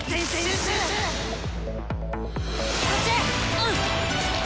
うん！